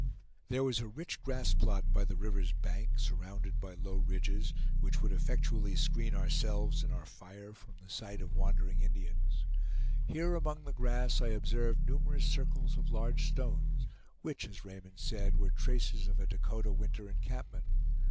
There was a rich grass plot by the river's bank, surrounded by low ridges, which would effectually screen ourselves and our fire from the sight of wandering Indians. Here among the grass I observed numerous circles of large stones, which, as Raymond said, were traces of a Dakota winter encampment.